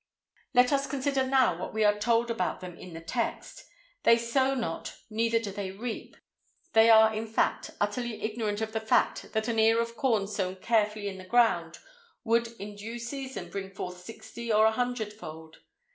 "'Let us consider now what we are told about them in the text. "They sow not, neither do they reap." They are, in fact, utterly ignorant of the fact that an ear of corn sown carefully in the ground would in due season bring forth sixty or a hundred fold.